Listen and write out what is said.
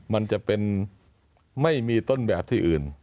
มันจะเป็นไม่มีต้นแบบที่อื่น